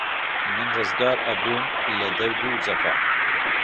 من ڕزگار ئەبووم لە دەرد و جەفا